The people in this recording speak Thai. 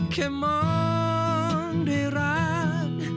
แค่มองด้วยรัก